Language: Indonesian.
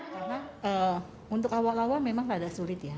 karena untuk awal awal memang agak sulit ya